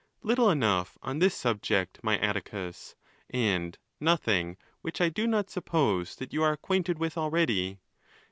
—Little enough on this subject, my Atticus, and nothing which I do not suppose that you are acquainted with already.